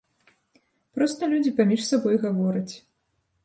Проста людзі паміж сабой гавораць.